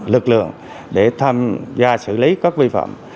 lực lượng để tham gia xử lý các vi phạm